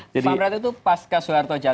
famred itu pasca soeharto jatuh